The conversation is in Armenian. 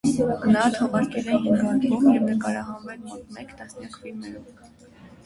Նա թողարկել է հինգ ալբոմ և նկարահանվել մոտ մեկ տասնյակ ֆիլմերում։